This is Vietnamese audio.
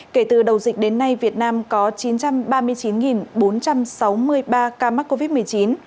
kể từ đầu dịch đến nay việt nam có chín trăm ba mươi chín bốn trăm sáu mươi ba ca mắc covid một mươi chín